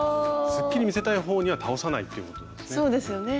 すっきり見せたい方には倒さないということですね？